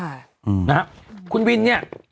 อืมนะฮะคุณวินเนี่ย